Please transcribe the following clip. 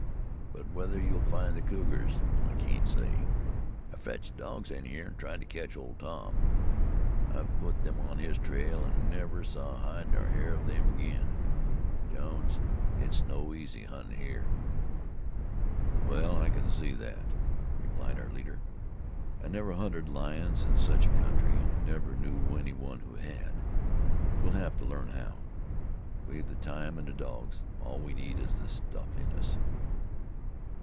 But whether you'll find the cougars, I can't say. I fetched dogs in hyar, an' tried to ketch Old Tom. I've put them on his trail an' never saw hide nor hair of them again. Jones, it's no easy huntin' hyar." "Well, I can see that," replied our leader. "I never hunted lions in such a country, and never knew any one who had. We'll have to learn how. We've the time and the dogs, all we need is the stuff in us."